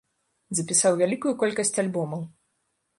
Запісаў вялікую колькасць альбомаў.